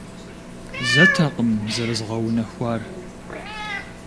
Зэтэкъым зэрызгъэунэхуар.